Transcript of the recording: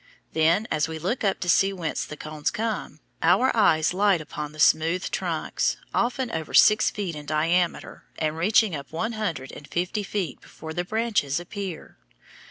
Then, as we look up to see whence the cones come, our eyes light upon the smooth trunks, often over six feet in diameter and reaching up one hundred and fifty feet before the branches appear.